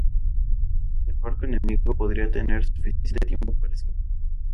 El barco enemigo podría tener suficiente tiempo para escapar.